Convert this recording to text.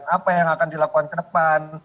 apa yang akan dilakukan ke depan